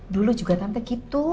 dulu juga tante gitu